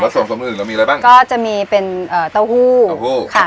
ส่วนสมอื่นเรามีอะไรบ้างก็จะมีเป็นเอ่อเต้าหู้เต้าหู้ค่ะ